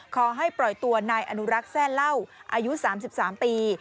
ขอให้ปล่อยตัวนายอนุรักษ์แซ่เล่าอายุ๓๓ปี